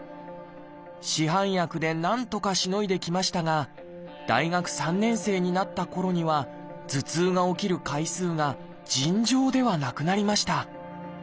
市販薬でなんとかしのいできましたが大学３年生になったころには頭痛が起きる回数が尋常ではなくなりました。